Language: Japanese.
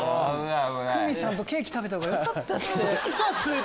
クミさんとケーキ食べたほうがよかったって。